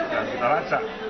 yang kita lacak